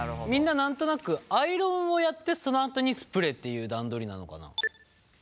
みんな何となくアイロンをやってそのあとにスプレーっていう段取りなのかな？